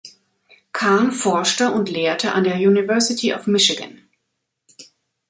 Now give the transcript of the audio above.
Kahn forschte und lehrte an der University of Michigan.